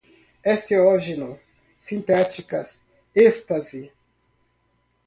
enteógeno, sintéticas, êxtase